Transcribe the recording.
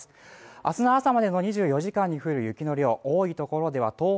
明日の朝までの２４時間に降る雪の量多い所では東北